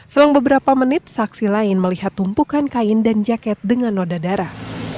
selang beberapa menit saksi lain melihat tumpukan kain dan jaket dengan noda darah